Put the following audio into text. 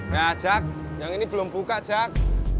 nah jak yang ini belum buka jak